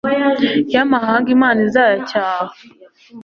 ye amahanga imana izayacyaha